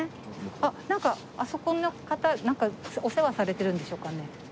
あっあそこの方なんかお世話されてるんでしょうかね？